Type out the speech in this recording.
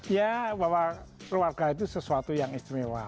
ya bahwa keluarga itu sesuatu yang istimewa